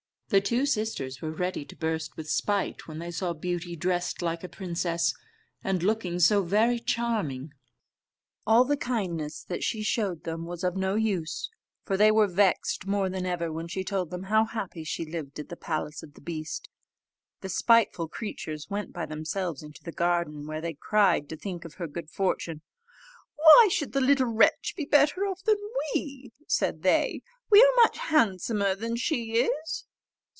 The two sisters were ready to burst with spite when they saw Beauty dressed like a princess, and looking so very charming. All the kindness that she showed them was of no use; for they were vexed more than ever when she told them how happy she lived at the palace of the beast. The spiteful creatures went by themselves into the garden, where they cried to think of her good fortune. "Why should the little wretch be better off than we?" said they. "We are much handsomer than she is."